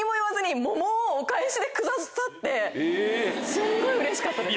すんごいうれしかったです。